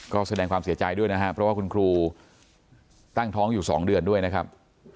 ก็แสดงความเสียใจด้วยนะครับเพราะว่าคุณครูตั้งท้องอยู่๒เดือนด้วยนะครับ